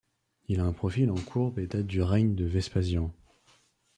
Il a un profil en courbe et date du règne de Vespasien.